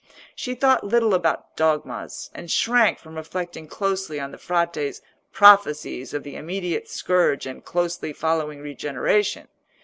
She thought little about dogmas, and shrank from reflecting closely on the Frate's prophecies of the immediate scourge and closely following regeneration.